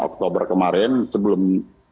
oktober kemarin sebelum